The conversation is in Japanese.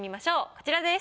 こちらです。